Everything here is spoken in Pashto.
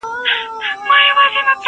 د وړې اوسپني زور نه لري لوېږي،